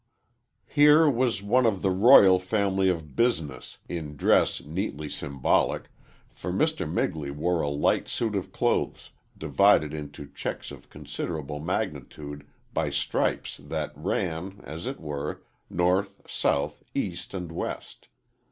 Here was one of the royal family of Business, in dress neatly symbolic, for Mr. Migley wore a light suit of clothes divided into checks of considerable magnitude by stripes that ran, as it were, north, south, east, and west.